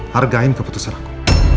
hargain keputusan aku